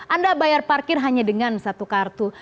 anda bayar parkir hanya dengan satu kartu